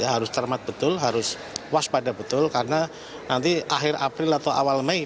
harus cermat betul harus waspada betul karena nanti akhir april atau awal mei